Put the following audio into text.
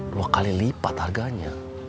dua kali lipat harganya